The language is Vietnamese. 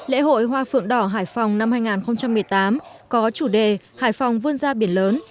lễ hội hoa phượng đỏ hải phòng năm hai nghìn một mươi tám có chủ đề hải phòng vươn ra biển lớn